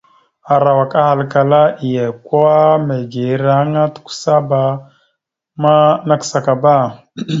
Arawak ahalkala iye kwa mege ireŋa tʉkəsaba ma nakəsakaba.